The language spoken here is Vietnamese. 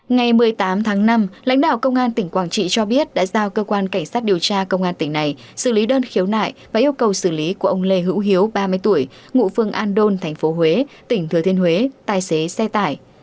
ngày một mươi tám tháng năm lãnh đạo công an tỉnh quảng trị cho biết đã giao cơ quan cảnh sát điều tra công an tỉnh này xử lý đơn khiếu nại và yêu cầu xử lý của ông lê hữu hiếu ba mươi tuổi ngụ phương an đôn tp huế tỉnh thừa thiên huế tài xế xe tải